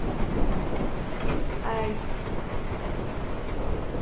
他以演绎德奥作曲家和斯堪的纳维亚地区作曲家的作品而著名。